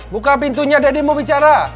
buka pintunya deddy mau bicara